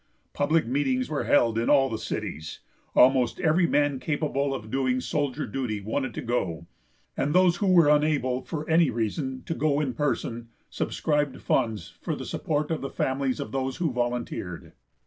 Public meetings were held in all the cities; almost every man capable of doing soldier duty wanted to go, and those who were unable, for any reason, to go in person, subscribed funds for the support of the families of those who volunteered.